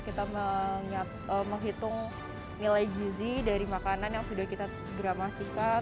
kita menghitung nilai gizi dari makanan yang sudah kita gramasikan